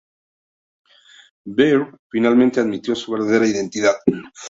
Baer, finalmente admitió su verdadera identidad.